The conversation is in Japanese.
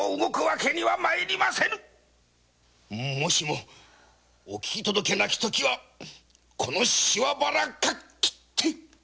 もしもお聞き届けなき時はこのシワ腹かき切って！